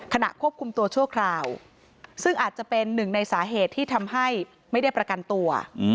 ขณะควบคุมตัวชั่วคราวซึ่งอาจจะเป็นหนึ่งในสาเหตุที่ทำให้ไม่ได้ประกันตัว